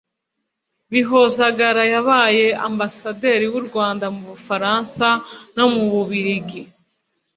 Bihozagara yabaye Ambasaderi w’u Rwanda mu Bufaransa no mu Bubiligi